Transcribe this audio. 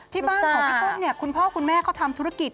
ที่บ้านของพี่ต้นเนี่ยคุณพ่อคุณแม่เขาทำธุรกิจ